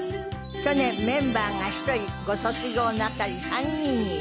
去年メンバーが１人ご卒業なさり３人に。